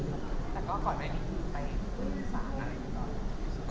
แต่ก็ก่อนไหนไปสร้างอะไรก็